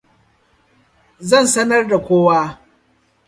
Zan sanar da kowa.